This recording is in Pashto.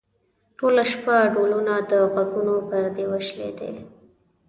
ټوله شپه ډولونه؛ د غوږونو پردې وشلېدې.